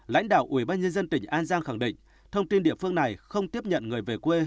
lãnh đạo ủy ban nhân dân tỉnh an giang khẳng định thông tin địa phương này không tiếp nhận người về quê